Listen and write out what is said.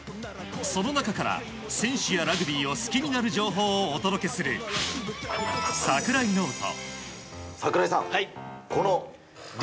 その中から、選手やラグビーを好きになる情報をお届けする櫻井ノート。